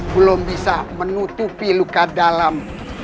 belum bisa menutupi luka dalam